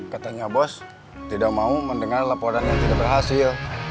katanya bos tidak mau mendengar laporan yang tidak berhasil